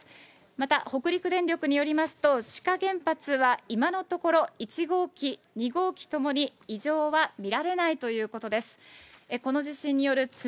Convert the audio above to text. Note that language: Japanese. また、北陸電力によりますと、志賀原発は今のところ、１号機、２号機ともに異常は見られないということです。